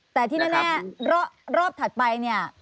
แต่ที่แน่รอบถัดไป